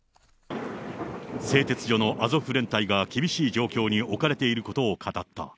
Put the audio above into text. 製鉄所のアゾフ連隊が厳しい状況に置かれていることを語った。